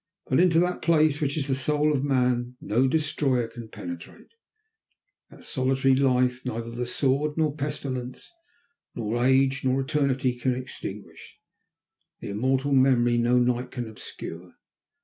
But into that place, which is the soul of man, no destroyer can penetrate; that solitary life neither the sword, nor pestilence, nor age, nor eternity can extinguish; that immortal memory no night can obscure.